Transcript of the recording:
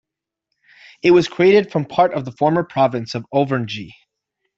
It was created from part of the former province of Auvergne.